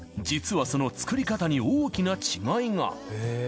実はその作り方に大きな違いが。